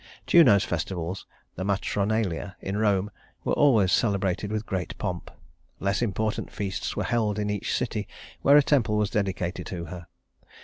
Juno's festivals, the Matronalia, in Rome, were always celebrated with great pomp. Less important feasts were held in each city where a temple was dedicated to her.